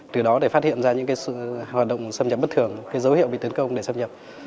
từ đó để phát hiện ra những hoạt động xâm nhập bất thường dấu hiệu bị tấn công để xâm nhập